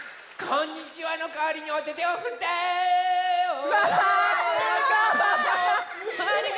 こんにちはのかわりにおててをふって！わすごい！